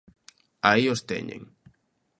Aí os teñen.